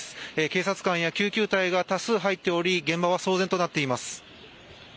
警察官や救急隊が多数入っており現場は騒然となっています。